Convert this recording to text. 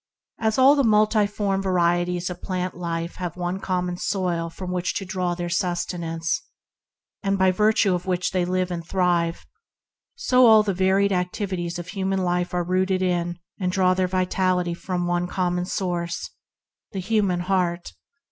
As all the multiform varieties of plant life have one common soil from which to draw their sustenance, by virtue of which they live and thrive, so all the varied activities of human life are rooted in, and draw their vitality from, one common source — the human heart — the spirit within.